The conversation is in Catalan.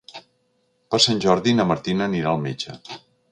Per Sant Jordi na Martina anirà al metge.